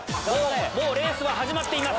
もうレースは始まっています。